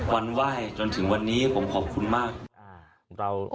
วันไหว้จนถึงวันนี้ผมขอบคุณมาก